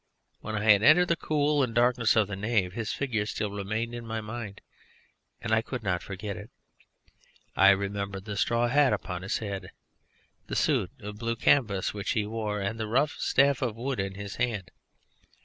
When I had entered the cool and darkness of the nave, his figure still remained in my mind, and I could not forget it. I remembered the straw hat upon his head and the suit of blue canvas which he wore, and the rough staff of wood in his hand.